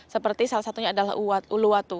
seperti salah satunya adalah uluwatu